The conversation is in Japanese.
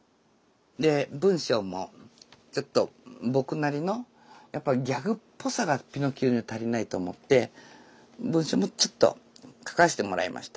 で文章もちょっと僕なりのやっぱりギャグっぽさが「ピノッキオ」には足りないと思って文章もちょっと書かせてもらいました。